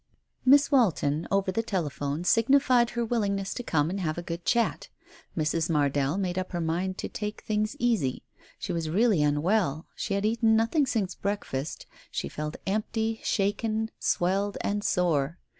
Miss Walton, over the telephone, signified her willing ness to come and have a good chat. Mrs. Mardell made up her mind to take things easy. She was really unwell, she had eaten nothing since breakfast, she felt empty, shaken, swelled and sore.